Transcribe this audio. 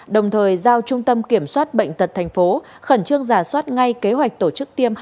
đồng thời giao trung tâm kiểm soát bệnh tật thành phố khẩn trương giả soát ngay kế hoạch tổ chức tiêm